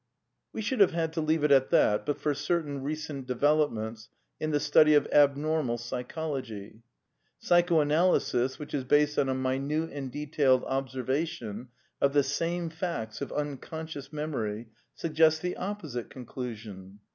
We should have had to leave it at that but for certain recent developments in the study of abnormal psychology. Psychoanalysis, which is based on a minute and de tailed observation of the same facts of unconscious mem ory, suggests the opposite conclusion.